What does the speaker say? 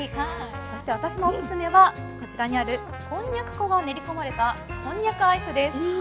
そして私のオススメはこちらにあるこんにゃく粉が練り込まれたこんにゃくアイスです。